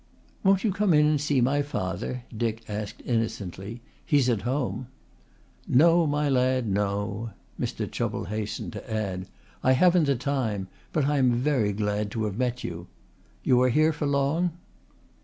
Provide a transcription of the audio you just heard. "Won't you come in and see my father?" Dick asked innocently. "He's at home." "No, my lad, no." Mr. Chubble hastened to add: "I haven't the time. But I am very glad to have met you. You are here for long?"